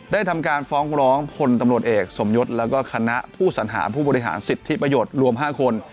ทำการฟ้องร้องพลตำรวจเอกสมยศแล้วก็คณะผู้สัญหาผู้บริหารสิทธิประโยชน์รวม๕คน